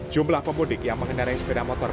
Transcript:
jumlah pemudik yang mengendarai sepeda motor